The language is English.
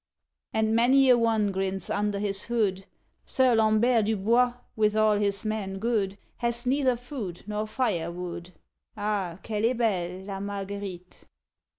_ And many an one grins under his hood: Sir Lambert du Bois, with all his men good, Has neither food nor firewood; _Ah! qu'elle est belle La Marguerite.